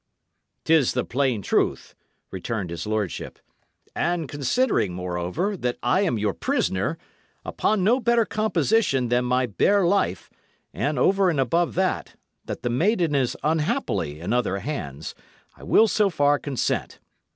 "'Tis the plain truth," returned his lordship. "And considering, moreover, that I am your prisoner, upon no better composition than my bare life, and over and above that, that the maiden is unhappily in other hands, I will so far consent.